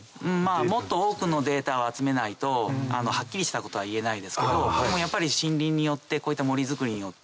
もっと多くのデータを集めないとはっきりしたことは言えないですけどでもやっぱり森林によってこういった。